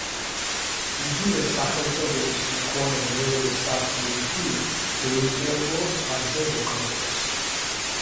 იგივე სახელწოდების მქონე მეორე სადგური კი, ბეიკერლოოს ხაზზე მოქმედებს.